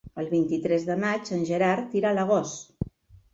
El vint-i-tres de maig en Gerard irà a Agost.